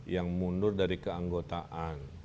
yang mundur dari keanggotaan